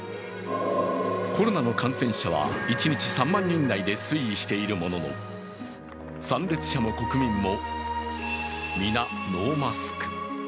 コロナの感染者は一日３万人台で推移しているものの参列者も国民も皆ノーマスク。